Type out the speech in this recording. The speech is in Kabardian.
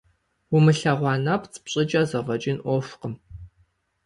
Умылъэгъуа нэпцӀ пщӏыкӏэ зэфӏэкӏын ӏуэхукъым.